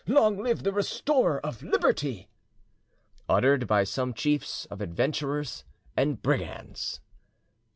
Long live the restorer of liberty!" uttered by some chiefs of adventurers and brigands.